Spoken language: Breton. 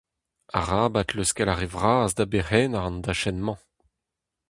Arabat leuskel ar re vras da berc'hennañ an dachenn-mañ.